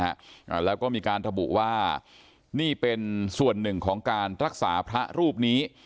อ่าแล้วก็มีการระบุว่านี่เป็นส่วนหนึ่งของการรักษาพระรูปนี้